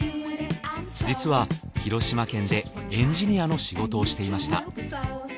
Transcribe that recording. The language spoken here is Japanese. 実は広島県でエンジニアの仕事をしていました。